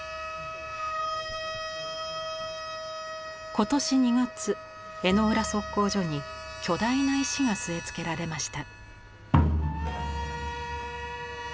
今年２月江之浦測候所に巨大な石が据え付けられました。